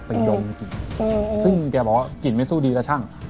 ดมกลิ่นซึ่งแกบอกว่ากลิ่นไม่สู้ดีแล้วช่าง